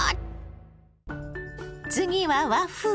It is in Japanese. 次は和風。